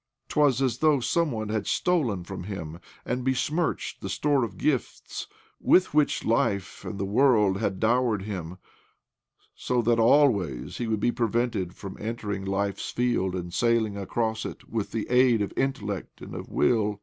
'Twas as though some one had stolen from him, and besmirched, the store of gifts with which life and the world had dowered him ; so that always he Would be prevented from entering life's field and sailing across it with the aid of intellect and of will.